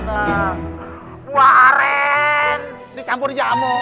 gua areen dicampur jamu